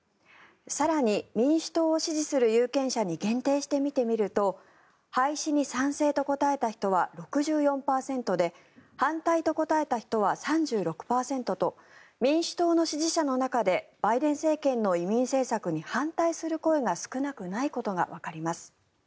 更に、民主党を支持する有権者に限定して見てみると廃止に賛成と答えた人は６４％で反対と答えた人は３６％と民主党の支持者の中でバイデン政権の移民政策に反対する声が少なくないことがわかります。